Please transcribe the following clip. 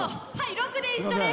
６で一緒です！